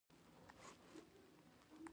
غوټه موټه مې سره ټوله کړه.